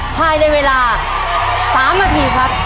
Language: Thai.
ภายในเวลา๓นาทีครับ